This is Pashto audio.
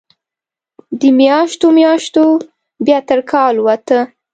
د میاشتو، میاشتو بیا تر کال ووته